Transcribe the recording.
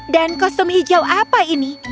dan kostum hijau apa ini